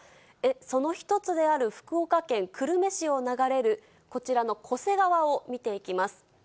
その一つである、福岡県久留米市を流れる、こちらの巨瀬川を見ていきます。